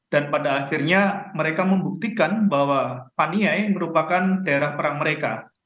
dan pada akhirnya mereka membuktikan bahwa paniai merupakan daerah perang mereka